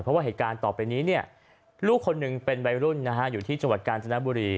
เพราะว่าเหตุการณ์ต่อไปนี้ลูกคนหนึ่งเป็นวัยรุ่นอยู่ที่จังหวัดกาญจนบุรี